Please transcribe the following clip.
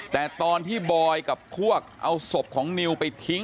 แต่ตอนที่บอยกับพวกเอาศพของนิวไปทิ้ง